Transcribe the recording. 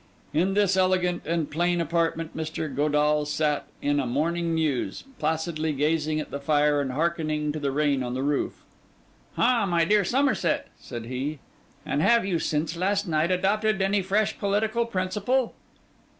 In this elegant and plain apartment, Mr. Godall sat in a morning muse, placidly gazing at the fire and hearkening to the rain upon the roof. 'Ha, my dear Mr. Somerset,' said he, 'and have you since last night adopted any fresh political principle?